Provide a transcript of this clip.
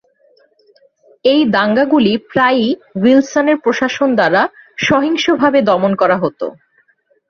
এই দাঙ্গাগুলি প্রায়ই উইলসনের প্রশাসন দ্বারা সহিংসভাবে দমন করা হত।